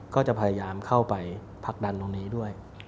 ก็จะพยายามเข้าไปผลักดันจะภาคที่นี้ด้วย